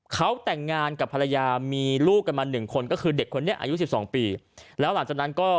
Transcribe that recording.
เขาแต่งงานกับภรรยามีลูกกันมาหนึ่งคนก็คือเด็กคนนี้อายุสิบสองปีแล้วหลังจากนั้นก็